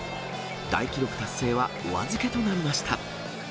大記録達成はお預けとなりました。